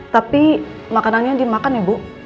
tapi makanannya dimakan ya bu